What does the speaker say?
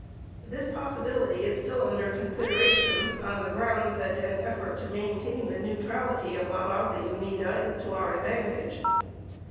This possibility is still under consideration on the grounds that an effort to main tain the neutrality of La Baza Unida is to our advantage.